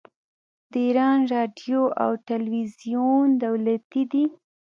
د ایران راډیو او تلویزیون دولتي دي.